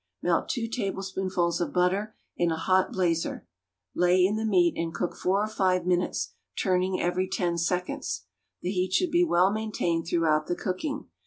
Melt two tablespoonfuls of butter in a hot blazer; lay in the meat, and cook four or five minutes, turning every ten seconds. The heat should be well maintained throughout the cooking.